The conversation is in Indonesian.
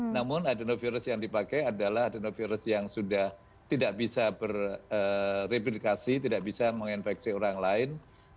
namun adenovirus yang dipakai adalah adenovirus yang sudah tidak bisa bereplikasi tidak bisa menginfeksi orang lain